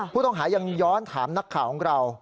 ผู้ต้องหายังย้อนถามนักข่าวของเรา